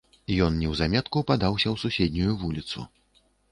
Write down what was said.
Ён неўзаметку падаўся ў суседнюю вуліцу.